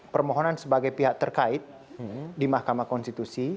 permohonan sebagai pihak terkait di mahkamah konstitusi